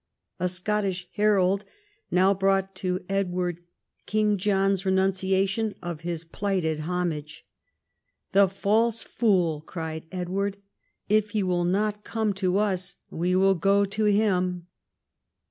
A Scottish herald now brought to Edward King John's renunciation of his plighted homage. "The false fool !" cried Edward. " If he will not come to us, we will go to him."